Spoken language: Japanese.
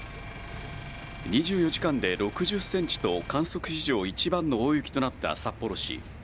２４時間で６０センチと、観測史上一番の大雪となった札幌市。